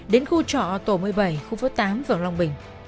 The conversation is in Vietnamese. đến khu trọ tổ một mươi bảy khu phố tám phường long bình